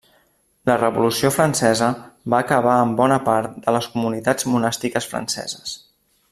La Revolució francesa va acabar amb bona part de les comunitats monàstiques franceses.